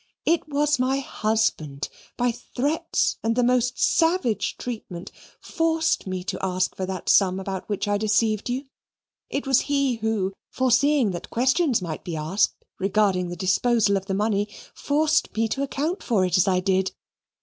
It was my husband, by threats and the most savage treatment, forced me to ask for that sum about which I deceived you. It was he who, foreseeing that questions might be asked regarding the disposal of the money, forced me to account for it as I did.